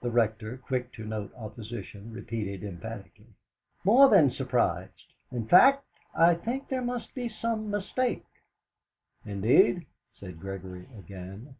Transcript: The Rector, quick to note opposition, repeated emphatically: "More than surprised; in fact, I think there must be some mistake." "Indeed?" said Gregory again.